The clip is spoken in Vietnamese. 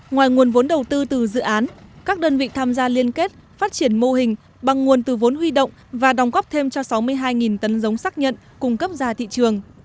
ngoài nguồn vốn đầu tư từ dự án các đơn vị tham gia liên kết phát triển mô hình bằng nguồn từ vốn huy động và đóng góp thêm cho sáu mươi hai tấn giống xác nhận cung cấp ra thị trường